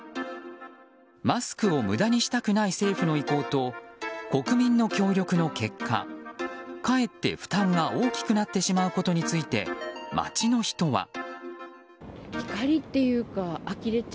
マスクを無駄にしたくない政府の意向と国民の協力の結果かえって負担が大きくなってしまうことについて街の人は。